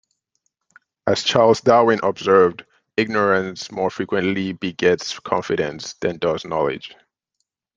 As Charles Darwin observed, ignorance more frequently begets confidence than does knowledge.